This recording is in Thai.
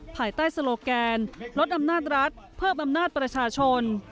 ภายใต้โลแกนลดอำนาจรัฐเพิ่มอำนาจประชาชน